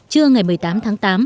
trưa ngày một mươi tám tháng tám